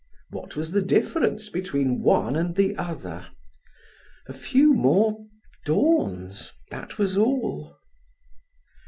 What was the difference between one and the other? A few more dawns, that was all.